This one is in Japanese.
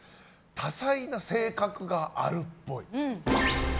多彩な性格があるっぽい。